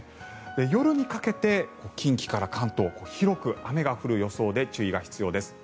夜にかけて近畿から関東広く雨が降る予想で注意が必要です。